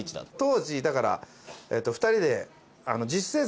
当時だから２人で。